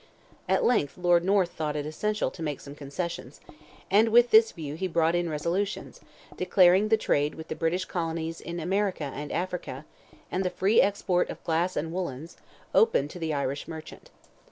At length Lord North thought it essential to make some concessions, and with this view he brought in resolutions, declaring the trade with the British colonies in America and Africa, and the free export of glass and woollens, open to the Irish merchant.